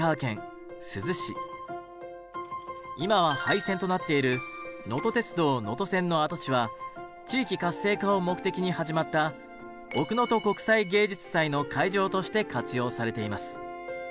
今は廃線となっているのと鉄道能登線の跡地は地域活性化を目的に始まった奥能登国際芸術祭の会場として活用されています。